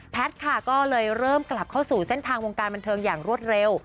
ค่ะก็เลยเริ่มกลับเข้าสู่เส้นทางวงการบันเทิงอย่างรวดเร็ว